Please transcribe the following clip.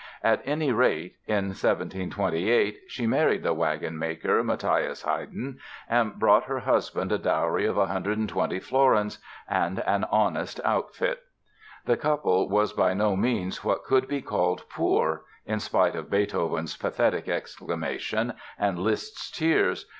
At any rate, in 1728, she married the wagon maker, Mathias Haydn, and brought her husband a dowry of 120 florins and an "honest outfit." The couple was by no means what could be called "poor" (in spite of Beethoven's pathetic exclamation and Liszt's tears!)